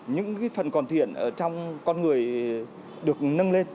những cái phần còn thiện trong con người được nâng lên